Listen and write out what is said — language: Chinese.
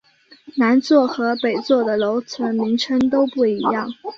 南座和北座的楼层名称都不一样。